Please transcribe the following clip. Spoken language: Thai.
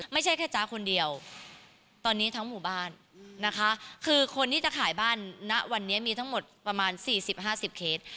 ไม่ใช่แค่จ๊ะคนเดียวตอนนี้ทั้งหมู่บ้านนะคะคือคนที่จะขายบ้านณวันนี้มีทั้งหมดประมาณ๔๐๕๐เคส